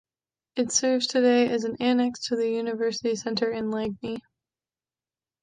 It serves today as an annex to the university center in Lagny.